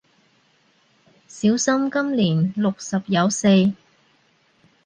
小生今年六十有四